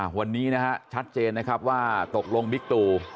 วันนี้นะฮะชัดเจนนะครับว่าตกลงบิ๊กตู